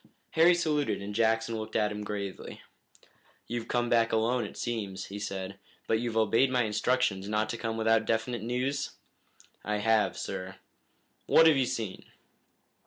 Harry saluted and Jackson looked at him gravely. "You've come back alone, it seems," he said, "but you've obeyed my instructions not to come without definite news?" "I have, sir." "What have you seen?"